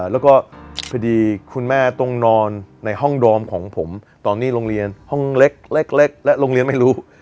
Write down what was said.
แล้วก็พอดีคุณแม่ต้องนอนในห้องดอมของผมตอนนี้โรงเรียนห้องเล็กและโรงเรียนไม่รู้